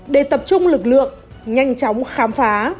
để tập trung lực lượng nhanh chóng khám phá